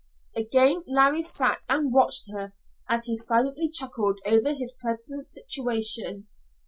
Again Larry sat and watched her, as he silently chuckled over his present situation.